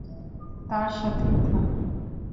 তার সাথেই থাকে।